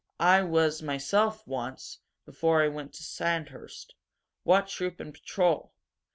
I was myself, once before I went to Sandhurst. What troop and patrol?"